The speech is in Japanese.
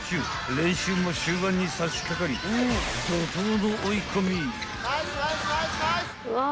［練習も終盤にさしかかり怒濤の追い込み］